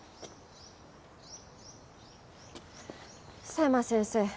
佐山先生